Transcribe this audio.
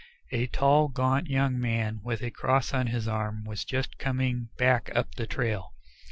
A tall, gaunt young man with a cross on his arm was just coming back up the trail.